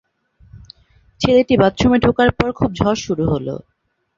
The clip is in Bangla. ছেলেটিকে বাথরুমে ঢোকানোর পর খুব ঝড় শুরু হল।